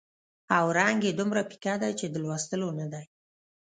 او رنګ یې دومره پیکه دی چې د لوستلو نه دی.